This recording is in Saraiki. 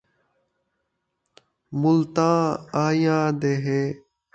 ملتاں آئیاں دے ہے ، ڄائیاں دا نئیں